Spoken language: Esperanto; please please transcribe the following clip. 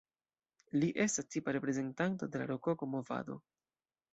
Li estas tipa reprezentanto de la rokoko-movado.